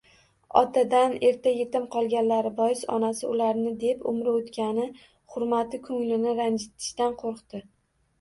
Otadan erta yetim qolganlari bois onasi ularni deb umri oʻtgani hurmati koʻnglini ranjitishdan qoʻrqdi